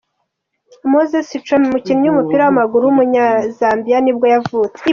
Moses Sichone, umukinnyi w’umupira w’amaguru w’umunyazambiya nibwo yavutse.